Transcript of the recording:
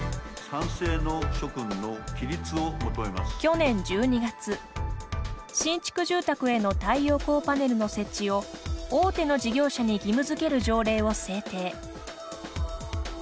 去年１２月新築住宅への太陽光パネルの設置を大手の事業者に義務づける条例を制定。